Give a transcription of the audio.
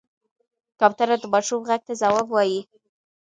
کوتره د ماشوم غږ ته ځواب وايي.